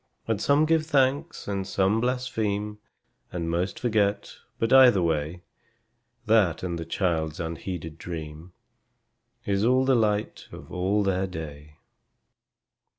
And give some thanks, and some blaspheme, And most forget, but, either way, That and the child's unheeded dream Is all the light of all their day.